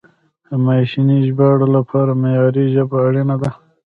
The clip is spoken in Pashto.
د ماشیني ژباړې لپاره معیاري ژبه اړینه ده.